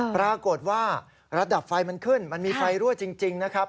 ปรากฏว่าระดับไฟมันขึ้นมันมีไฟรั่วจริงนะครับ